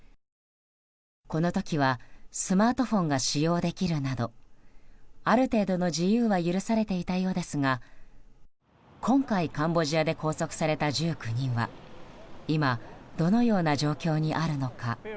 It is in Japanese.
この時はスマートフォンが使用できるなどある程度の自由は許されていたようですが今回、カンボジアで拘束された１９人は今、どのような状況にあるのか。